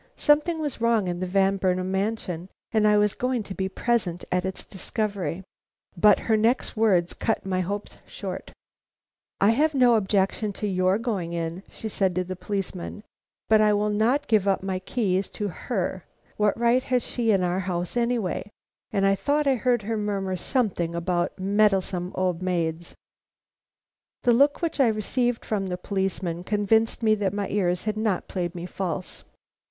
Something was wrong in the Van Burnam mansion, and I was going to be present at its discovery. But her next words cut my hopes short. "I have no objection to your going in," she said to the policeman, "but I will not give up my keys to her. What right has she in our house any way." And I thought I heard her murmur something about a meddlesome old maid. The look which I received from the policeman convinced me that my ears had not played me false.